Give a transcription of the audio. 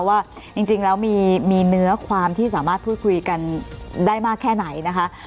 ว่าจริงแล้วมีเนื้อความที่สามารถพูดคุยกันได้มากแค่ไหนนะคะ